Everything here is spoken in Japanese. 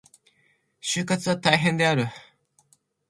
就活は大変である。